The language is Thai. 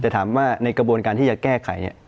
แต่ถามว่าในกระบวนการที่จะแก้ไข